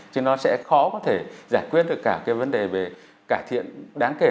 chứ nó sẽ khó có thể giải quyết được cả cái vấn đề về cải thiện đáng kể